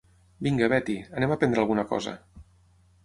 Vinga, Betty, anem a prendre alguna cosa.